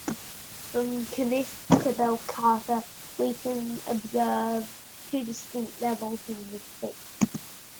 From Khniss to Bekalta we can observe two distinct levels in the sea.